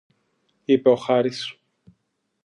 είπε ο Χάρης